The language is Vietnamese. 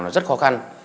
nó rất khó khăn